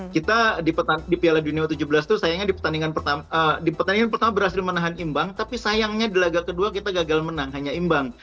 kita di piala dunia u tujuh belas itu sayangnya di pertandingan pertama berhasil menahan imbang tapi sayangnya di laga kedua kita gagal menang hanya imbang